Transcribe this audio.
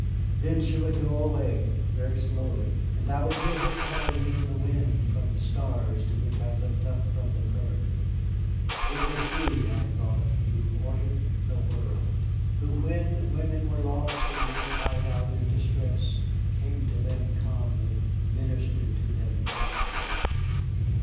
Then she would go away, very slowly, and I would hear her calling to me in the wind, from the stars to which I looked up from the prairie. It was she, I thought, who ordered the world. Who, when women were lost and men cried out in distress, came to them calmly, ministered to them deftly.